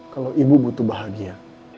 kalau ibu butuh bahagia